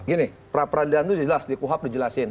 gini pra peradilan itu jelas di kuhap dijelasin